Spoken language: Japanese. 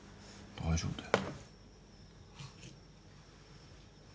大丈夫だよ。